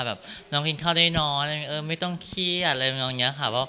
แบบน้องกินข้าวได้น้อยไม่ต้องเครียด